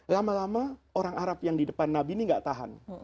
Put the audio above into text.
lama lama orang arab yang di depan nabi ini gak tahan